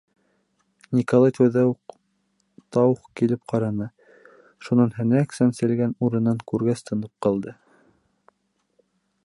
Николай тәүҙә ух та ух килеп ҡараны, шунан һәнәк сәнселгән урынын күргәс, тынып ҡалды.